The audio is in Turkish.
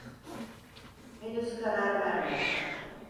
Henüz karar vermedik.